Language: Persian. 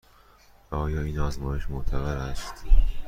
آیا این آزمایش معتبر است؟